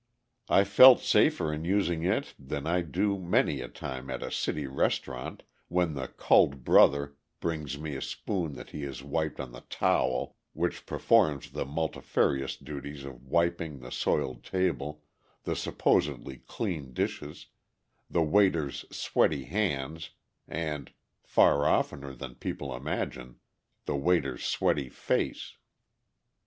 I felt safer in using it than I do many a time at a city restaurant when the "culled brother" brings me a spoon that he has wiped on the "towel" which performs the multifarious duties of wiping the soiled table, the supposedly clean dishes, the waiter's sweaty hands, and far oftener than people imagine the waiter's sweaty face.